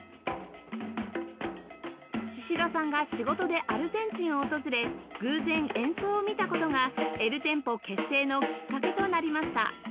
シシドさんが仕事でアルゼンチンを訪れ偶然演奏を見た事が ｅｌｔｅｍｐｏ 結成のきっかけとなりました